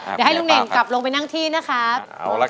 เดี๋ยวให้ลุงเน่งกลับลงไปนั่งที่นะครับ